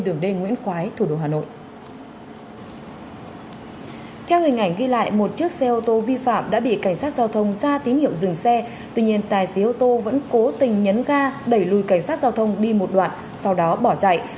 theo hình ảnh ghi lại một chiếc xe ô tô vi phạm đã bị cảnh sát giao thông ra tín hiệu dừng xe tuy nhiên tài xế ô tô vẫn cố tình nhấn ga đẩy lùi cảnh sát giao thông đi một đoạn sau đó bỏ chạy